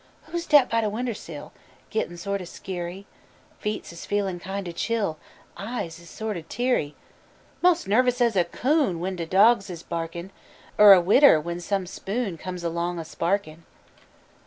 Who's dat by de winder sill? Gittin' sort o' skeery; Feets is feelin' kind o' chill, Eyes is sort o' teary. 'Most as nervous as a coon When de dawgs is barkin', Er a widder when some spoon Comes along a sparkin'.